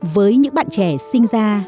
với những bạn trẻ sinh ra